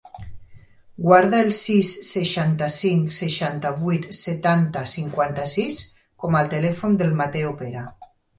Guarda el sis, seixanta-cinc, seixanta-vuit, setanta, cinquanta-sis com a telèfon del Mateo Pera.